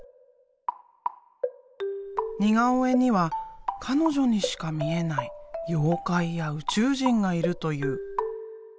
似顔絵には彼女にしか見えない妖怪や宇宙人がいるという。